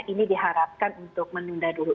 ini diharapkan untuk menunda dulu